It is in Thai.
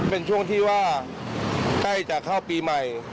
เป็นช่วงที่ว่าใกล้จะเข้าปีใหม่